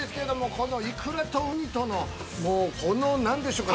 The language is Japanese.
このイクラとウニとの、この何でしょうか。